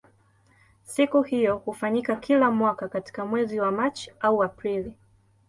Siku hiyo hufanyika kila mwaka katika mwezi wa Machi au Aprili.